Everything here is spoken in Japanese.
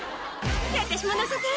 「私も乗せて！」